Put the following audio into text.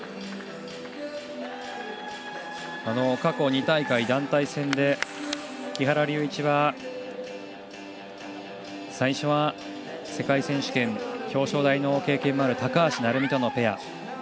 過去２大会、団体戦で木原龍一は、最初は世界選手権表彰台の経験もある高橋成美とのペア。